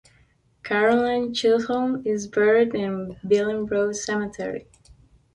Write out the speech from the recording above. Caroline Chisholm is buried in Billing Road Cemetery.